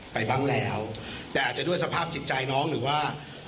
ไปบ้างแล้วแต่อาจจะด้วยสภาพจิตใจน้องหรือว่า